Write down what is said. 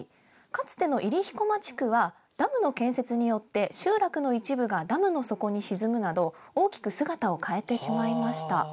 かつての入飛駒地区はダムの建設によって集落の一部がダムに沈むなど大きく姿を変えてしまいました。